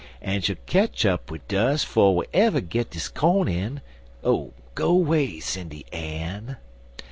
En she'll ketch up wid dus 'fo' we ever git dis corn in (Oh, go 'way, Sindy Ann!)